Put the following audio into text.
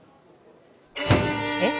えっ？